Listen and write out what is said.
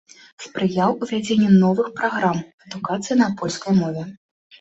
Спрыяў увядзенню новых праграм адукацыі на польскай мове.